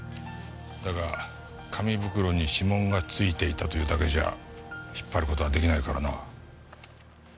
だが紙袋に指紋がついていたというだけじゃ引っ張ることはできないからな。